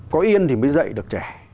có yên thì mới dạy được trẻ